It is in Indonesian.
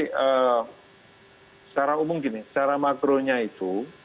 secara umum gini secara makronya itu